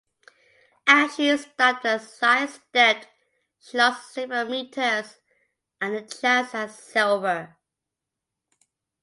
As she stopped and sidestepped, she lost several metres and the chance at silver.